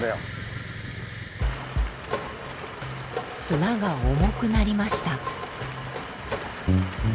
綱が重くなりました。